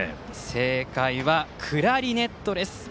正解はクラリネットです。